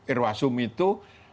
irwas sumi itu delapan puluh dua